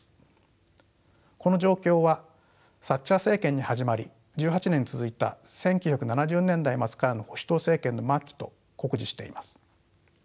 この状況はサッチャー政権に始まり１８年続いた１９７０年代末からの保守党政権の末期と酷似しています。